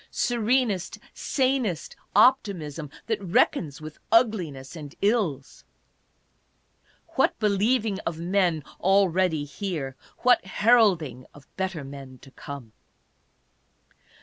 Serenest, sanest optimism, that reckons with ugliness and ills ! What believing of men already here, what heralding of better men to come